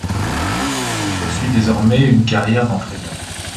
Il poursuit désormais une carrière d'entraîneur.